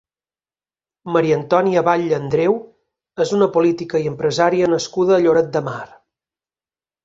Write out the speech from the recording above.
Maria Antònia Batlle Andreu és una política i empresària nascuda a Lloret de Mar.